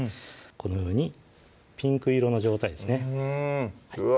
このようにピンク色の状態ですねうんうわ